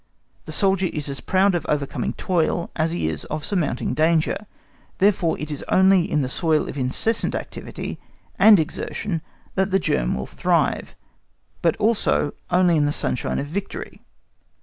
The soldier is as proud of overcoming toil, as he is of surmounting danger. Therefore it is only in the soil of incessant activity and exertion that the germ will thrive, but also only in the sunshine of victory.